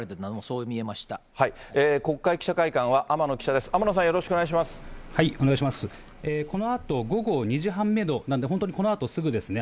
このあと午後２時半めどなんで、本当にこのあとすぐですね。